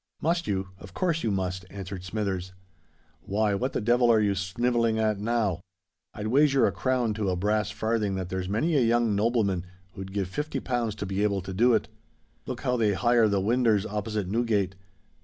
"Must you? Of course you must," answered Smithers. "Why, what the devil are you snivelling at now? I'd wager a crown to a brass farthin' that there's many a young nobleman who'd give fifty pounds to be able to do it. Look how they hire the winders opposite Newgate!